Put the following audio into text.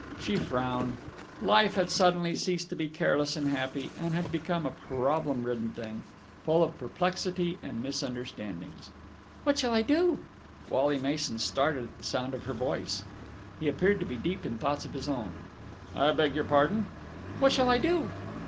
She frowned. Life had suddenly ceased to be careless and happy, and had become a problem ridden thing, full of perplexity and misunderstandings. "What shall I do?" Wally Mason started at the sound of her voice. He appeared to be deep in thoughts of his own. "I beg your pardon?" "What shall I do?"